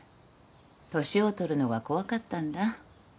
年を取るのが怖かったんだ。